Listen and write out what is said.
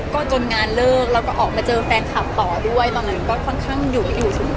ก็จนงานเลิกแล้วก็ออกมาเจอแฟนคลับต่อด้วยตอนนั้นก็ค่อนข้างหยุดถึงเหมือนกันอะค่ะ